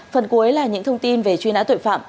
phần cuối là những thông tin về truy nã tội phạm